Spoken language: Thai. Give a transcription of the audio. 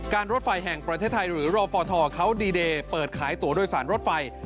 รถไฟแห่งประเทศไทยหรือรอฟทเขาดีเดย์เปิดขายตัวโดยสารรถไฟ